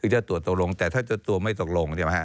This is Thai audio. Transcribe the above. ถ้าตัวตกลงแต่ถ้าไม่ตกลง